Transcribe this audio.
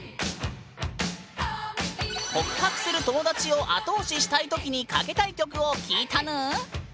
告白する友達を後押ししたい時にかけたい曲を聞いたぬん。